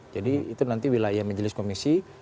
jadi itu nanti wilayah majelis komisi